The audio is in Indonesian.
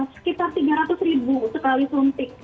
sekitar tiga ratus ribu sekali suntik